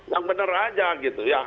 yang benar aja gitu ya